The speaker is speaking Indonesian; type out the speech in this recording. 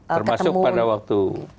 termasuk pada waktu